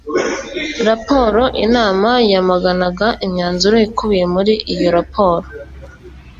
Report inama yamaganaga imyanzuro ikubiye muri iyo raporo